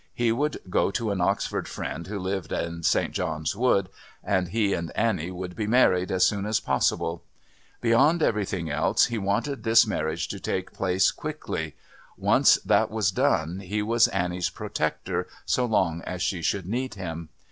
He would go to an Oxford friend who lived in St. John's Wood, and he and Annie would be married as soon as possible. Beyond everything else he wanted this marriage to take place quickly; once that was done he was Annie's protector, so long as she should need him.